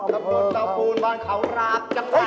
กระปุ่นเจ้าปูนบอนเขาราบจังหวานสุราช